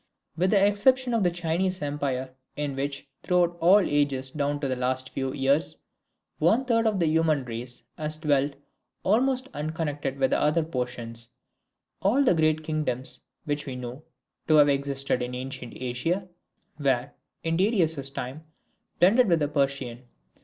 With the exception of the Chinese empire, in which, throughout all ages down to the last few years, one third of the human race has dwelt almost unconnected with the other portions, all the great kingdoms which we know to have existed in Ancient Asia, were, in Darius's time, blended with the Persian.